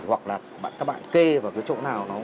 hoặc là các bạn kê vào cái chỗ nào